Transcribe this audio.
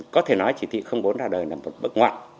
có thể nói chỉ thị bốn đã đời là một bậc ngoạn